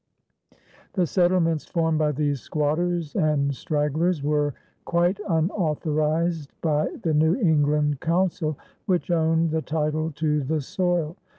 The settlements formed by these squatters and stragglers were quite unauthorized by the New England Council, which owned the title to the soil.